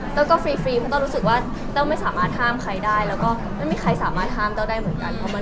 ก็ฟรีเพราะแต้วรู้สึกว่าแต้วไม่สามารถห้ามใครได้แล้วก็ไม่มีใครสามารถห้ามแต้วได้เหมือนกัน